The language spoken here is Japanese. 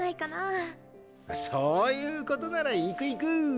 そういうことなら行く行くぅ。